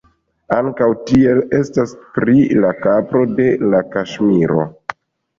Ankaŭ tiel estas pri la kapro de la Kaŝmiro.